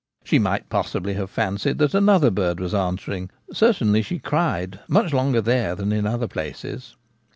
She might possibly have fancied that another bird was answering ; certainly she * cried ' much longer there than in other places.